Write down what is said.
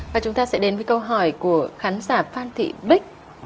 và chúng ta sẽ đến với câu hỏi của khán giả phan thị bích